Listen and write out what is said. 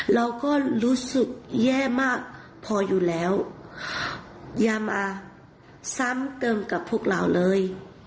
เราก็รู้สึกแย่มากพออยู่แล้วอย่ามาซ้ำเติมกับพวกเราเลย